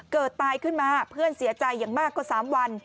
ตายขึ้นมาเพื่อนเสียใจอย่างมากกว่า๓วัน